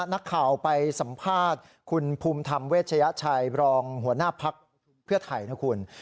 นักข่าวไปสัมภาษณ์คุณภูมิธรรมเวชยชัยรองหัวหน้าภักดิ์เพื่อไทยนะคุณ